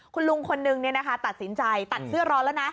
คุณลุงคนนึงตัดสินใจตัดเสื้อร้อนแล้วนะ